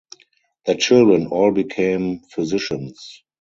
Their children all became physicians.